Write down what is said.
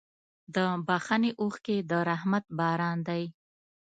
د بښنې اوښکې د رحمت باران دی.